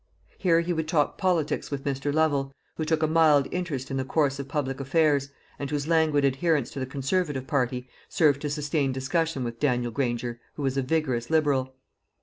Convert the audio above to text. Here he would talk politics with Mr. Lovel, who took a mild interest in the course of public affairs, and whose languid adherence to the Conservative party served to sustain discussion with Daniel Granger, who was a vigorous Liberal.